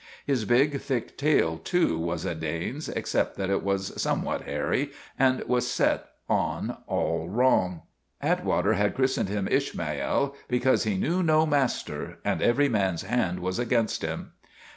His big, thick tail, too, was a Dane's, except that it was some what hairy and was set on all wrong. Atwater had christened him Ishmael because he knew no master and every man's hand was against him.